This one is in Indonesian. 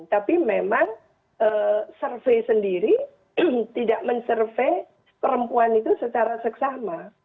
tapi memang survei sendiri tidak men survey perempuan itu secara seksama